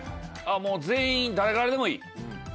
もう全員誰からでもいい？